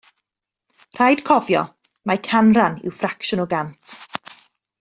Rhaid cofio mai canran yw ffracsiwn o gant